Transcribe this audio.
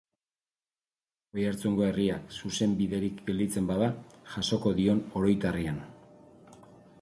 Oiartzungo herriak, zuzenbiderik gelditzen bada, jasoko dion oroitarrian.